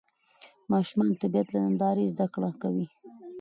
ماشومان د طبیعت له نندارې زده کړه کوي